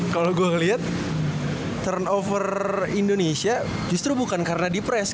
kalau gue ngeliat turnover indonesia justru bukan karena di press